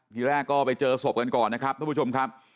ทีแรกก็ไปเจอศพกันก่อนนะครับทุกผู้ชมครับ